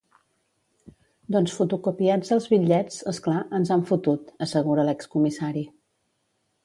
Doncs fotocopiats els bitllets, és clar, ens han fotut, assegura l’ex-comissari.